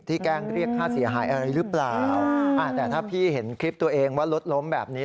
แกล้งเรียกค่าเสียหายอะไรหรือเปล่าอ่าแต่ถ้าพี่เห็นคลิปตัวเองว่ารถล้มแบบนี้